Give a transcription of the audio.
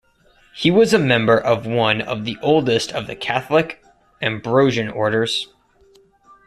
He was a member of one of the oldest of the Catholic Ambrosian orders.